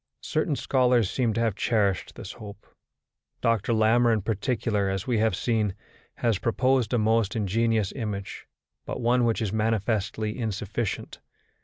Certain scholars seem to have cherished this hope. Dr. Larmor in particular, as we have seen, has proposed a most ingenious image, but one which is manifestly insufficient.